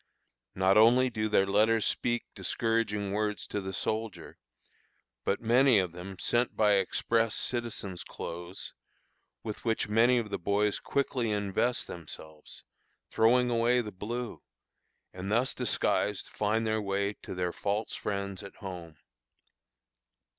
Not only do their letters speak discouraging words to the soldier, but many of them sent by express citizens' clothes, with which many of the boys quickly invest themselves, throwing away the blue, and thus disguised find their way to their false friends at home.